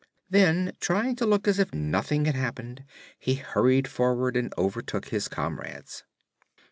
Then, trying to look as if nothing had happened, he hurried forward and overtook his comrades.